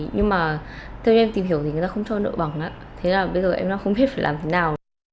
nhưng mà theo em tìm hiểu thì người ta không cho nợ bằng thế là bây giờ em không biết phải làm thế nào